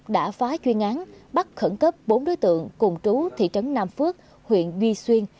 đã phá chuyên án bắt khẩn cấp bốn đối tượng cùng trú thị trấn nam phước huyện duy xuyên